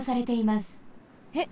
えっ？